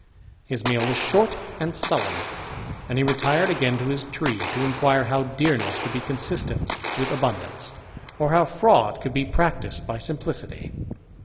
His meal was short and sullen ; and he retired again to his tree, to inquire how dearness could be consistent with abundance, or how fraud could be practised by simplicity.